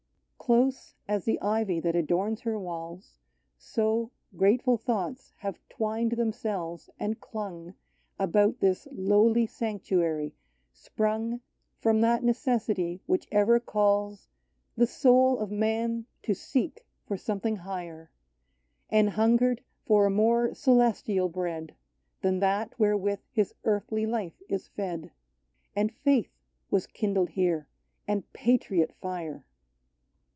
Close as the ivy that adorns her walls, So grateful thoughts have twined themselves and clung About this lowly sanctuary, sprung From that necessity which ever calls The soul of man to seek for something higher, — Anhungered for a more celestial bread Than that wherewith his earthly life is fed, — And faith was kindled here, and patriot fire